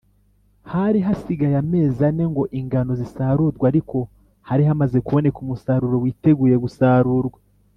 Hari hasigaye amezi ane ngo ingano zisarurwe, ariko hari hamaze kuboneka umusaruro witeguye gusarurwa